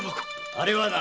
あれはな